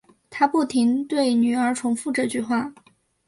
她不停对女儿重复这句话